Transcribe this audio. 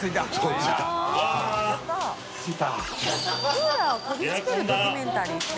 クーラーを取りつけるドキュメンタリーって。